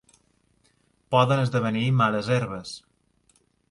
Poden esdevenir males herbes.